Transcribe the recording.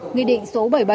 nghị định số bảy mươi bảy